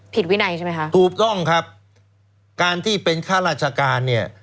วินัยใช่ไหมคะถูกต้องครับการที่เป็นข้าราชการเนี่ย